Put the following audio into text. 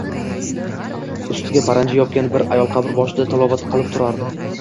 Ustiga paranji yopgan bir ayol qabr boshida tilovat qilib turardi.